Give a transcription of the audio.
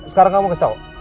sekarang kamu kasih tau